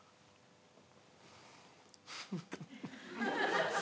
フフフ！